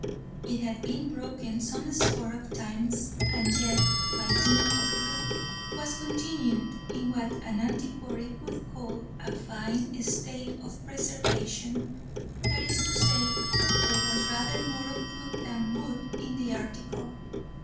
It had been broken some score of times, and yet, by dint of glue, was continued in what an antiquary would call "a fine state of preservation;" that is to say, there was rather more of glue than wood in the article.